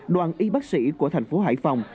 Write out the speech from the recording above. đoàn y bác sĩ của thành phố hải phòng